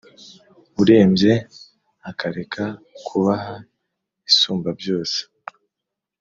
urembye akareka kubaha isumbabyose